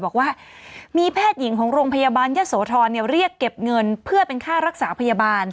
บอกว่ามีแพทย์หญิงของโรงพยาบาลยะโสธรเรียกเก็บเงินเพื่อเป็นค่ารักษาพยาบาล